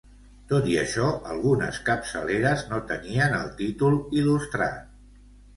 Tot i això algunes capçaleres no tenien el títol il·lustrat.